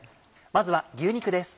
まずは牛肉です。